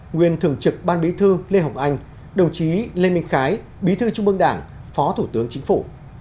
nguyên thường trực ban bí thư lê hồng anh đồng chí lê minh khái bí thư trung mương đảng phó thủ tướng chính phủ